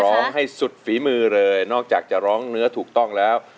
ร้องให้สุดฝีมือเลยนอกจากจะร้องเนื้อถูกต้องแล้ว